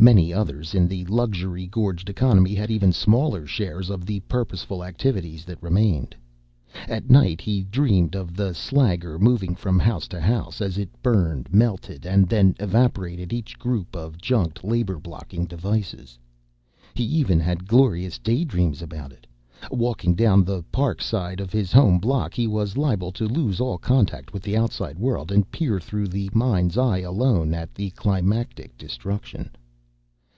Many others in the luxury gorged economy had even smaller shares of the purposeful activities that remained. At night he dreamed of the slagger moving from house to house as it burned, melted and then evaporated each group of junked labor blocking devices. He even had glorious daydreams about it. Walking down the park side of his home block, he was liable to lose all contact with the outside world and peer through the mind's eye alone at the climactic destruction.